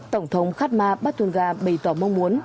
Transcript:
tổng thống khát ma bát tuân ga bày tỏ mong muốn